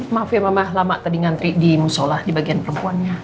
maaf ya mama lama tadi ngantri di musola di bagian perempuannya